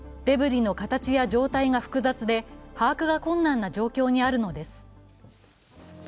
デブリの形や状態が複雑で把握が困難な状況にあるのです。